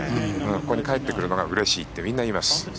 ここに帰ってくるのがうれしいってみんな言います。